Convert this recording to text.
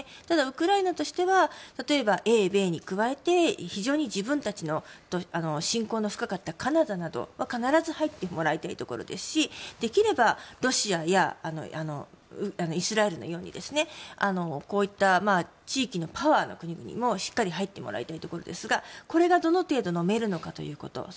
ただ、ウクライナとしては例えば英米に加えて非常に自分たちと親交の深かったカナダなどは必ず入ってもらいたいところですしできればロシアやイスラエルのようにこういった地域のパワーの国々もしっかり入ってもらいたいところですがこれがどの程度のめるのかということ。